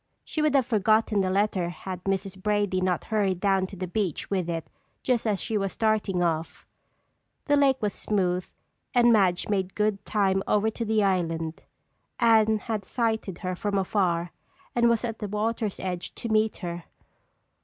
She would have forgotten the letter had Mrs. Brady not hurried down to the beach with it just as she was starting off. The lake was smooth and Madge made good time over to the island. Anne had sighted her from afar and was at the water's edge to meet her.